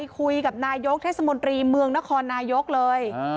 คุยกับนายกเทศมนตรีเมืองนครนายกเลย